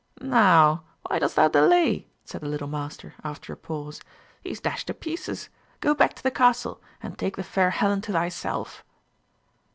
"Now, why dost thou delay?" said the little Master, after a pause. "He is dashed to pieces. Go back to the castle, and take the fair Helen to thyself."